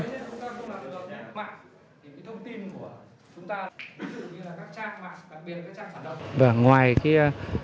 chúng ta cũng là tổ chức mạng thì thông tin của chúng ta như là các trang mạng